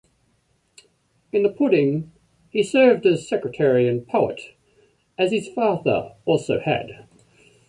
In the Pudding, he served as Secretary and Poet, as his father also had.